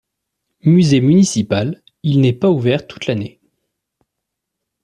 Musée municipal, il n'est pas ouvert toute l'année.